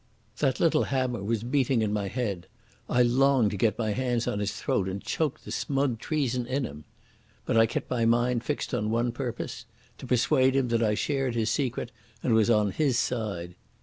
That little hammer was beating in my head. I longed to get my hands on his throat and choke the smug treason in him. But I kept my mind fixed on one purpose—to persuade him that I shared his secret and was on his side.